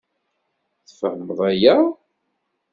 Tfehmed aya?